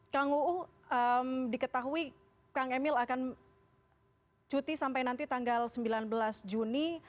kang uu diketahui kang emil akan cuti sampai nanti tanggal sembilan belas juni